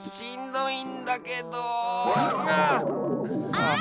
あ！